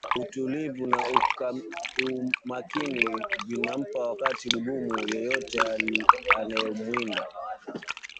Utulivu na umakini vinampa wakati mgumu yeyote anayemuwinda